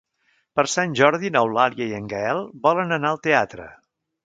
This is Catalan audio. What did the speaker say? Per Sant Jordi n'Eulàlia i en Gaël volen anar al teatre.